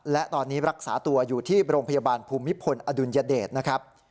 และตอนนี้รักษาตัวอยู่ที่โรงพยาบาลภูมิพลอดุลยเดชนะครับ